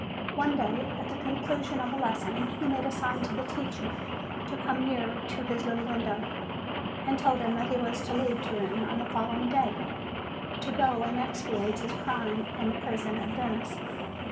One day, at the conclusion of the lesson, he made a sign to the teacher to come near to his little window, and told him that he was to leave Turin on the following day, to go and expiate his crime in the prison at Venice.